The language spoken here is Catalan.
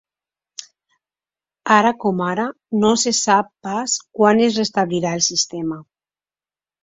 Ara com ara, no se sap pas quan es restablirà el sistema.